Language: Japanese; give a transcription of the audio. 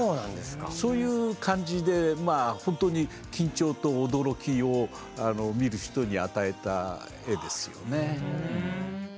そういう感じでまあほんとに緊張と驚きを見る人に与えた絵ですよね。